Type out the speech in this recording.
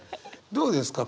どうですか？